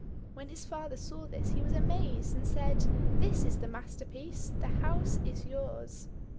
When his father saw this he was amazed, and said, "This is the master piece, the house is yours!"